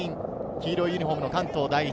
黄色いユニホームの関東第一。